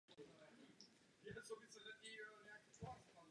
Žádná nehoda totiž není v mezích tolerance.